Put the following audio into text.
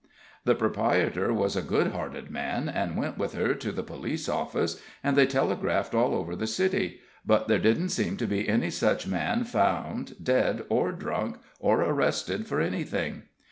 The proprietor was a good hearted man, and went with her to the police office, and they telegraphed all over the city; but there didn't seem to be any such man found dead or drunk, or arrested for anything.